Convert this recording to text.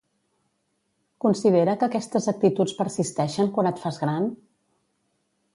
Considera que aquestes actituds persisteixen quan et fas gran?